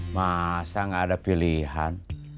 masa gak ada pilihan